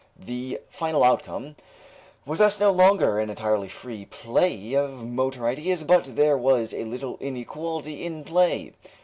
The final outcome was thus no longer an entirely free play of motor ideas, but there was a little inequality in play.